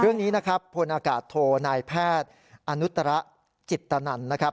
เรื่องนี้นะครับพลอากาศโทนายแพทย์อนุตระจิตนันนะครับ